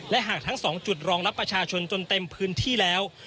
และหากทั้ง๒จุดรองรับประชาชนจนเต็มพื้นที่แล้ว